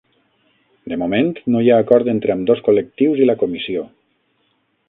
De moment no hi ha acord entre ambdós col·lectius i la Comissió.